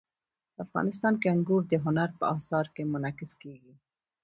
افغانستان کې انګور د هنر په اثار کې منعکس کېږي.